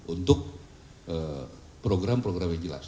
untuk program program yang jelas